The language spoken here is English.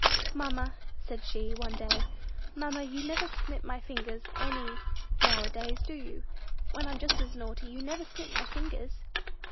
"Mamma," said she, one day, "mamma, you never snip my fingers any nowadays do you? When I'm just as naughty, you never snip my fingers!"